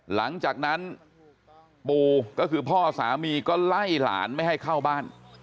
หลังจากนั้นปูก็คือพ่อสามีก็ไล่หลานไม่ให้เข้าบ้าน